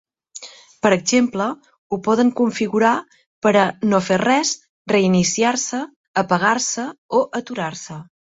Per exemple, ho poden configurar per a "no fer res", "reiniciar-se", "apagar-se" o "aturar-se".